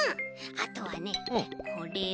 あとはねこれを。